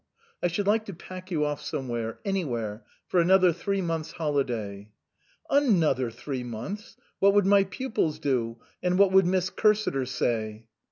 I should like to pack you off somewhere anywhere for another three months' holiday." " Another three months ! What would my pupils do, and what would Miss Cursiter say